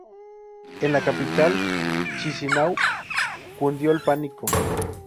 En la capital, Chisinau, cundió el pánico.